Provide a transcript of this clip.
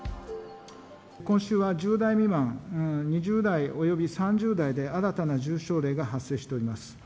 今週は１０代未満、２０代および３０代で、新たな重症例が発生しております。